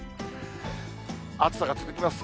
暑さが続きます。